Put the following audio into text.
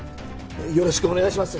よろしくお願いします